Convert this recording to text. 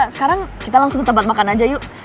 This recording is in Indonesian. sekarang kita langsung ke tempat makan aja yuk